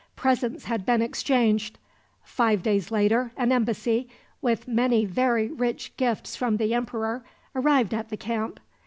Presents had been exchanged. Five days later an embassy, with many very rich gifts from the emperor, arrived at the camp.